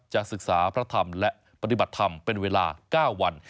จะศึกษาพระธรรมและปฏิบัติธรรมเป็นเวลา๙วัน